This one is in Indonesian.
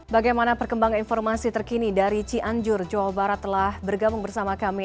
bagaimana perkembangan informasi terkini dari cianjur jawa barat telah bergabung bersama kami